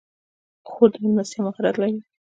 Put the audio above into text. خور د میلمستیا مهارت لري.